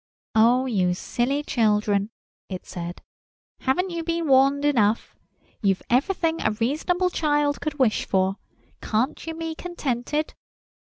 "Oh, you silly children," it said, "haven't you been warned enough? You've everything a reasonable child could wish for. Can't you be contented?"